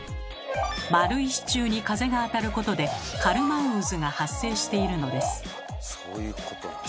丸い支柱に風が当たることでカルマン渦が発生しているのです。